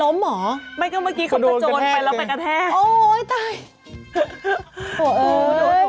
ล้มเหรอไม่ก็เมื่อกี้เขาประจนไปแล้วมันกระแทกโอ๊ยตาย